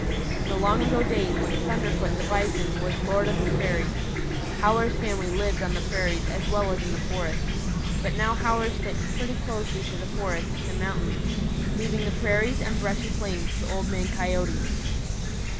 In the long ago days when Thunderfoot the Bison was lord of the prairies, Howler's family lived on the prairies as well as in the forests, but now Howler sticks pretty closely to the forests and mountains, leaving the prairies and brushy plains to Old Man Coyote."